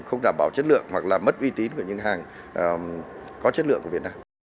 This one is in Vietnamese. không đảm bảo chất lượng hoặc là mất uy tín của những hàng có chất lượng của việt nam